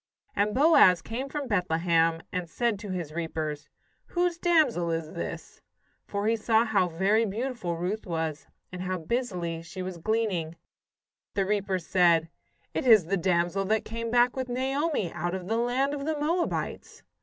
And Boaz came from Bethlehem, and said to his reapers: "Whose damsel is this?" for he saw how very beautiful Ruth was, and how busily she was gleaning. The reapers said: "It is the damsel that came back with Naomi out of the land of the Moabites."